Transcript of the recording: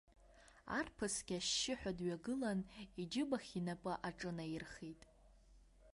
Арԥысгьы ашьшьыҳәа дҩагылан иџьыбахь инапы аҿынаирхеит.